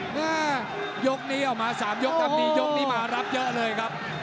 แม่ยกนี้ออกมา๓ยกทำดียกนี้มารับเยอะเลยครับ